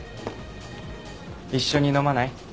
一緒に飲まない？